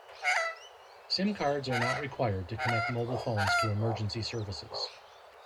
Simcards are not required to connect mobile phones to Emergency Services.